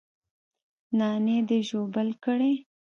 نانى دې ژوبل کړى.